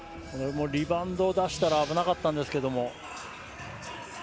リバウンドを出したら危なかったんですが。